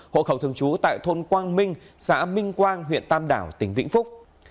hộ khẩu thường trú tại thôn quang minh xã minh quang huyện tam đảo tỉnh vĩnh phúc